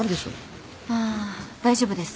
ああ大丈夫です。